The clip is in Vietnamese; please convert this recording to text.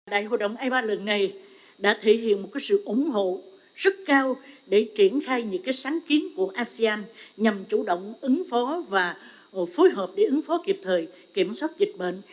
đại hội đồng ipa lần này đã thể hiện một sự ủng hộ rất cao để triển khai những sáng kiến của asean nhằm chủ động ứng phó và phối hợp để ứng phó kịp thời kiểm soát dịch bệnh